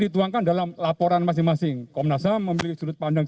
terima kasih pak